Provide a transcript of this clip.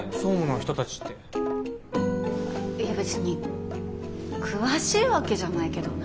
いや別に詳しいわけじゃないけど。